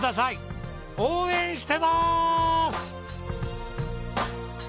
応援してます！